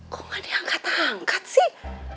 kok gak diangkat angkat sih